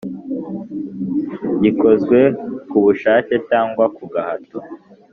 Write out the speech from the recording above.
gikozwe ku bushake cyangwa kugahato